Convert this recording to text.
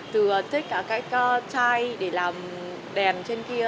từ tất cả cái chai để làm đèn trên kia